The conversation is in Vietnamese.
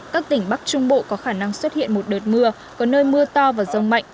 các tỉnh bắc trung bộ có khả năng xuất hiện một đợt mưa có nơi mưa to và rông mạnh